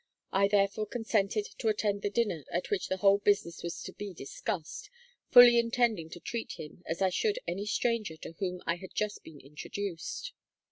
I therefore consented to attend the dinner at which the whole business was to be discussed, fully intending to treat him as I should any stranger to whom I had just been introduced.